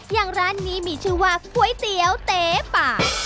อย่างร้านนี้มีชื่อว่าก๋วยเตี๋ยวเต๊ป่า